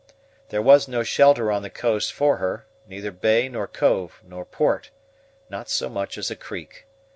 There was no shelter on the coast for her, neither bay nor cove, nor port; not so much as a creek.